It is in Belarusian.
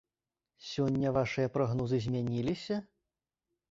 Сёння вашыя прагнозы змяніліся?